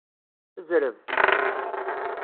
Zreb!